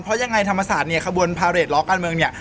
เพราะยังไงธรรมศาสตร์เนี่ยขบวนพาเรทล้อการเมืองเนี่ย